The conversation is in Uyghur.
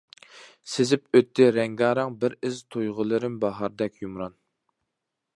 سىزىپ ئۆتتى رەڭگارەڭ بىر ئىز تۇيغۇلىرىم باھاردەك يۇمران.